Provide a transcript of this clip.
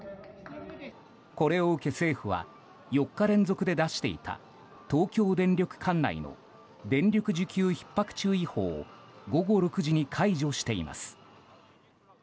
これを受け政府は４日連続で出していた東京電力管内の電力需給ひっ迫注意報を午後６時に解除しています。